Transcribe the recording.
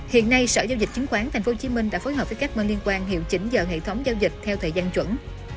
hiện nay sở giao dịch chứng khoán tp hcm đã phối hợp với các bên liên quan hiệu chỉnh giờ hệ thống giao dịch theo thời gian chuẩn